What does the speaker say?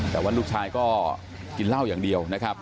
แต่ว่าลูกชายก็กินเหล้าอย่างเดียวนะครับ